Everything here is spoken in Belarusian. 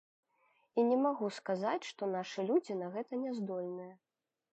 І не магу сказаць, што нашы людзі на гэта няздольныя.